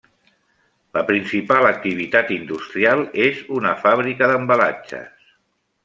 La principal activitat industrial és una fàbrica d'embalatges.